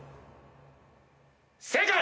正解！